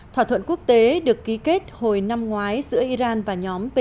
thỏa thuận quốc tế được ký kết hồi năm ngoái giữa iran và nhóm p năm một